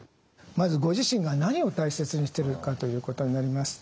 まずご自身が何を大切にしてるかということになります。